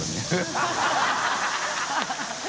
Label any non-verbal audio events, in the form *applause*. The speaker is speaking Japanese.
ハハハ *laughs*